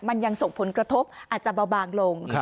มันยังส่งผลกระทบอาจจะเบาบางลง